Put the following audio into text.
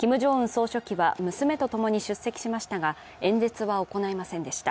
総書記は娘とともに出席しましたが、演説は行いませんでした。